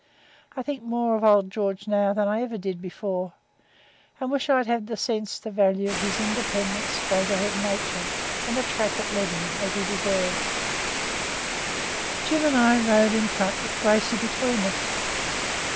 I think more of old George now than I ever did before, and wish I'd had the sense to value his independent straight ahead nature, and the track it led him, as he deserved. Jim and I rode in front, with Gracey between us.